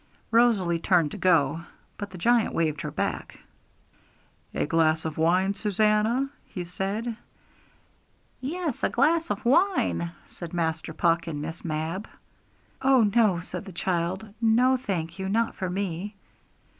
Rosalie turned to go, but the giant waved her back. 'A glass of wine, Susannah!' he said. 'Yes, a glass of wine,' said Master Puck and Miss Mab. 'Oh no,' said the child; 'no, thank you, not for me!'